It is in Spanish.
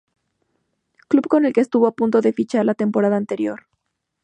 Club con el que estuvo a punto de fichar la temporada anterior.